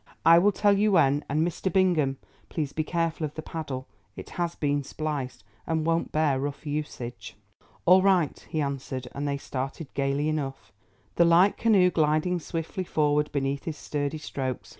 I will tell you when. And, Mr. Bingham, please be careful of the paddle; it has been spliced, and won't bear rough usage." "All right," he answered, and they started gaily enough, the light canoe gliding swiftly forward beneath his sturdy strokes.